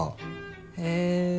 へえ。